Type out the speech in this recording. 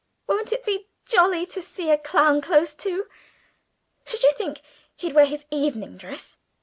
Won't it be jolly to see a clown close to? Should you think he'd come in his evening dress?